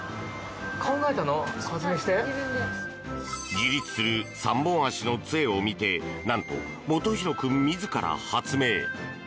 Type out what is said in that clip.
自立する３本足の杖を見てなんと、もとひろ君自ら発明。